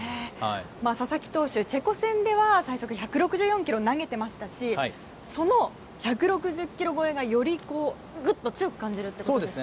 佐々木投手はチェコ戦では最速１６４キロを投げていましたしその１６０キロ超えがよりぐっと強く感じられるということですか？